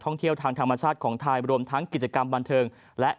ท่องเที่ยวทางธรรมชาติของไทยรวมทั้งกิจกรรมบันเทิงและ